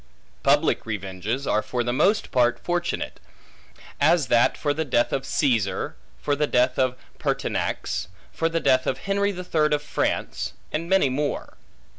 Public revenges are for the most part fortunate; as that for the death of Caesar; for the death of Pertinax; for the death of Henry the Third of France; and many more.